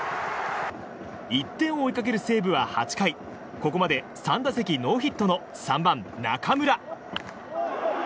１点を追いかける西武は８回ここまで３打席ノーヒットの３番、中村。